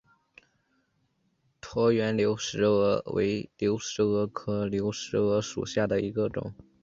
椭圆流石蛾为流石蛾科流石蛾属下的一个种。